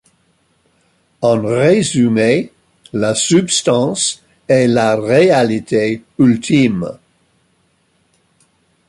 En résumé, la substance est la réalité ultime.